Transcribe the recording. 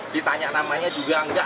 ditanya namanya juga nggak